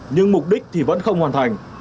nhưng mục đích thì vẫn không hoàn thành